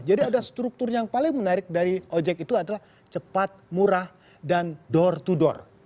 jadi ada struktur yang paling menarik dari ojek itu adalah cepat murah dan door to door